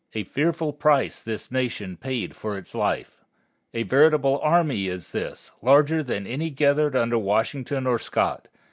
A fearful price this Nation paid for its life. A veritable army is this, larger than any gathered under Washington or Scott.